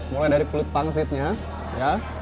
mulai dari kulit pangsitnya ya